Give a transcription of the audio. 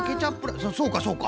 そうかそうか。